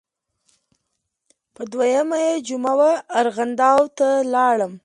پر دویمه یې جمعه وه ارغنداو ته لاړم.